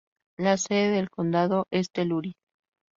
La sede del condado es Telluride.